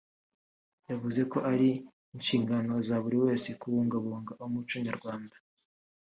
yavuze ko ari n’inshingano za buri wese kubungabunga umuco Nyarwanda